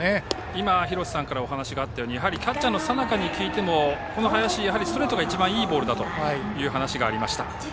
今、廣瀬さんからお話があったようにキャッチャーの佐仲に聞いても林はストレートが一番いいボールだという話がありました。